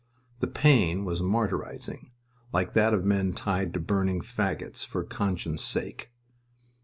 The pain was martyrizing, like that of men tied to burning fagots for conscience' sake.